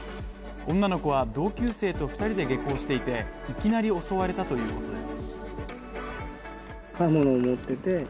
女の子は同級生と２人で下校していて、いきなり襲われたということです。